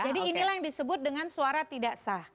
jadi inilah yang disebut dengan suara tidak sah